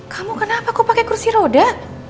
kamu kenapa kau pakai kursi roda